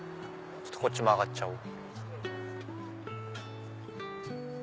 こっち曲がっちゃおう。